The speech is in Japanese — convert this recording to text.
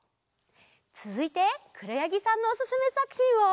つづいてくろやぎさんのおすすめさくひんは？